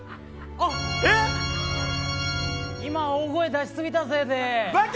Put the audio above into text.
今、大声出し過ぎたせいで。